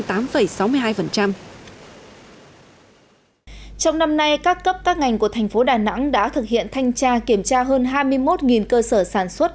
trong năm nay các cấp các ngành của thành phố đà nẵng đã thực hiện thanh tra kiểm tra hơn hai mươi một cơ sở sản xuất